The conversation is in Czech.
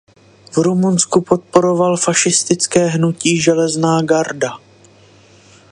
V Rumunsku podporoval fašistické hnutí Železná garda.